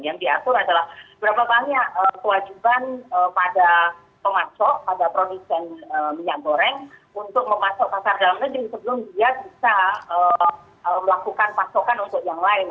yang diatur adalah berapa banyak kewajiban pada pemasok pada produsen minyak goreng untuk memasok pasar dalam negeri sebelum dia bisa melakukan pasokan untuk yang lain